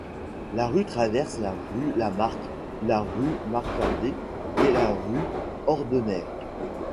La rue traverse la rue Lamarck, la rue Marcadet et la rue Ordener.